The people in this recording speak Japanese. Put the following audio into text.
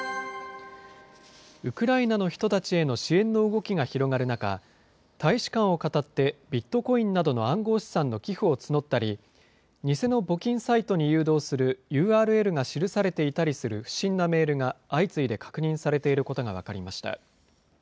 ウクライナの人たちへの支援の動きが広がる中、大使館をかたってビットコインなどの暗号資産の寄付を募ったり、偽の募金サイトに誘導するＵＲＬが記されていたりする不審なメールが相次いで確認されていることが分かりました。